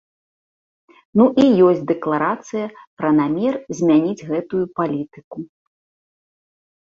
Ну, і ёсць дэкларацыя пра намер змяніць гэтую палітыку.